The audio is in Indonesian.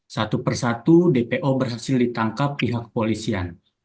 satu persatu dpo berhasil ditangkap pihak polisian